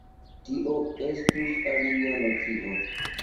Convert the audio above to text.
Tio estus alia nocio.